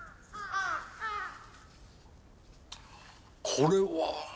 これは！